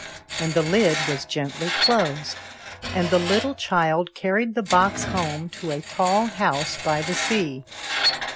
And the lid was gently closed, and the child carried the box home to a tall house by the sea.